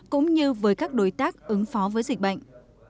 cũng như với các đối tác ứng phó với dịch bệnh